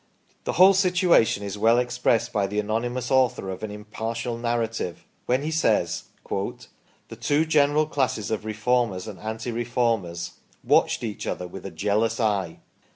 The whole situation is well expressed by the anonymous author of " An Impartial Narrative," when he says :" The two general classes oj Reformers and Anti Reformerssm/f/^ia^ other ivit/i a jealous eye".